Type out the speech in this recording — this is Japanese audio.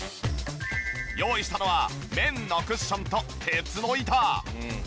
用意したのは綿のクッションと鉄の板。